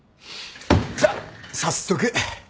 じゃあ早速。